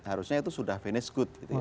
harusnya itu sudah finish good gitu ya